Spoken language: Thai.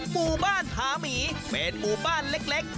หมู่บ้านผาหมีเป็นหมู่บ้านเล็ก